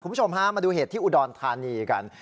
คุณผู้ชมฮะมาดูเหตุที่อุดรธานีกัน